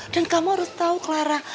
dan kamu harus tahu clara